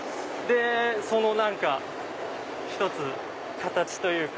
その何か一つ形というか。